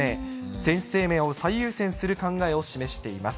選手生命を最優先する考えを示しています。